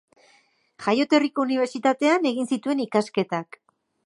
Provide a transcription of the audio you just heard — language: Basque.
Jaioterriko unibertsitatean egin zituen ikasketak.